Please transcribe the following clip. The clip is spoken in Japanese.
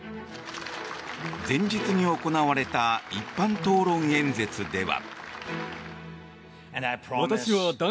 前日に行われた一般討論演説では。